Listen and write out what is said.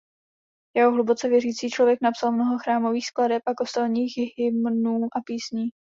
Jako hluboce věřící člověk napsal mnoho chrámových skladeb a kostelních hymnů a písní.